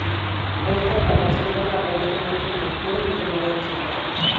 La letra de la canción habla aparentemente de locura y enfermedades mentales.